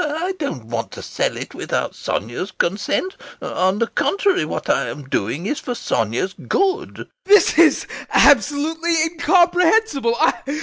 I don't want to sell it without Sonia's consent; on the contrary, what I am doing is for Sonia's good. VOITSKI. This is absolutely incomprehensible.